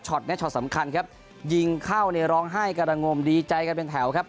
ช็อตนี้ช็อตสำคัญครับยิงเข้าในร้องไห้กระดังงมดีใจกันเป็นแถวครับ